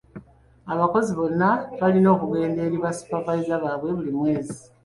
Abakozi bonna balina okugenda eri ba supervisor baabwe buli mwezi.